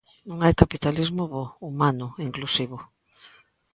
Non hai capitalismo bo, humano, inclusivo.